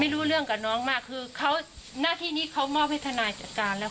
รู้เรื่องกับน้องมากคือเขาหน้าที่นี้เขามอบให้ทนายจัดการแล้ว